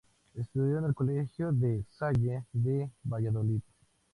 Estudió en el colegio La Salle de Valladolid.